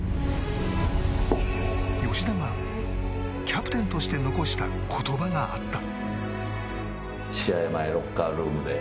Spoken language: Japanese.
吉田がキャプテンとして残した言葉があった。